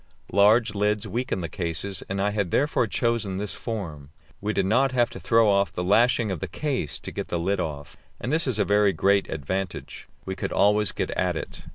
Large lids weaken the cases, and I had therefore chosen this form. We did not have to throw off the lashing of the case to get the lid off, and this is a very great advantage; we could always get at it.